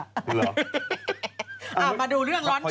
อ้าอมาดูเรื่องร้อนฉาก